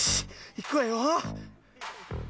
いくわよ。